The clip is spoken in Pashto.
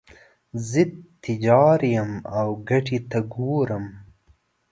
زه تجار یم او ګټې ته ګورم.